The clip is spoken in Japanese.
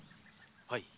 はい。